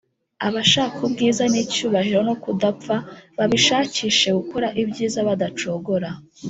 Abashaka ubwiza n’icyubahiro no kudapfa babishakisha gukora ibyiza badacogora